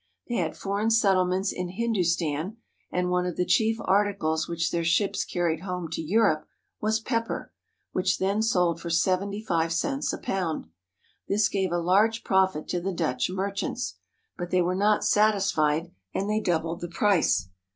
They had foreign settlements in Hindustan, and one of the chief articles which their ships carried home to Europe was pep per, which then sold for seventy five cents. a pound. This gave a large profit to the Dutch merchants. But they were not satisfied, and they doubled the price.